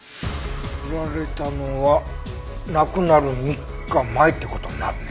塗られたのは亡くなる３日前という事になるね。